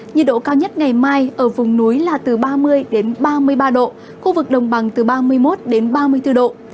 nhiệt độ cao nhất ngày mai ở vùng núi là từ ba mươi ba mươi ba độ khu vực đồng bằng từ ba mươi một đến ba mươi bốn độ